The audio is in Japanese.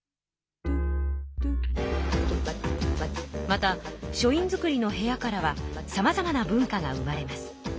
また書院造の部屋からはさまざまな文化が生まれます。